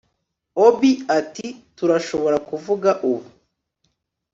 obi ati 'turashobora kuvuga ubu